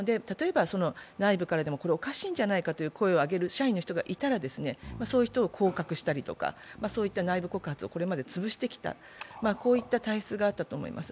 内部からでもこれおかしいんじゃないかという声を上げる社員がいたらそういう人を降格したりとか、そういった内部告発をこれまで潰してきた、こういった体質があったと思います。